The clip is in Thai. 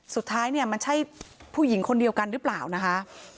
สุดท้ายเนี่ยมันใช่ผู้หญิงคนเดียวกันหรือเปล่านะคะ